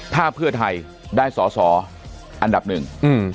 ถ้าเพื่อไทยได้สอสออันดับหนึ่ง